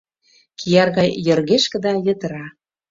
Кияр гай йыргешке да йытыра.